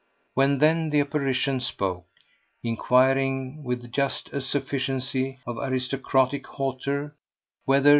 When, then, the apparition spoke, inquiring with just a sufficiency of aristocratic hauteur whether M.